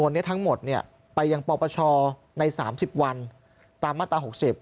วันนี้ทั้งหมดไปยังปปชใน๓๐วันตามมาตรา๖๐